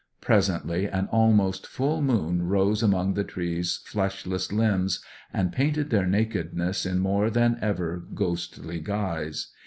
Presently, an almost full moon rose among the trees' fleshless limbs, and painted their nakedness in more than ever ghostly guise.